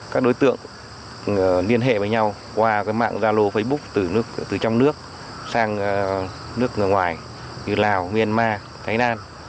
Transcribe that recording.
các đối tượng liên hệ với nhau qua mạng gia lô facebook từ trong nước sang nước ngoài như lào myanmar thái lan